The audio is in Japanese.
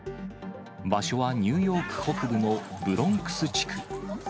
場所はニューヨーク北部のブロンクス地区。